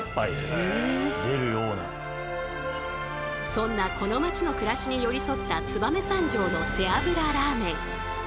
そんなこのまちの暮らしに寄り添った燕三条の背脂ラーメン。